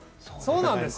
そうなんですよ。